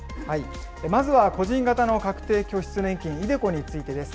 まずは個人型の確定拠出年金、ｉＤｅＣｏについてです。